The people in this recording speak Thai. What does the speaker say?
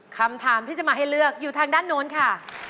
คำถามที่จะมาให้เลือกอยู่ทางด้านโน้นค่ะ